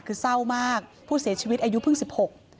คือเศร้ามากผู้เสียชีวิตอายุเพิ่งสิบหก